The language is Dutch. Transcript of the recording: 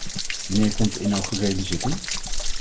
Wanneer komt de inaugurele zitting?